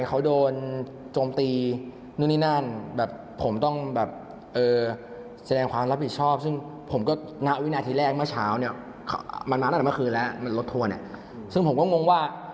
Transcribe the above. เขาโดนจมตีง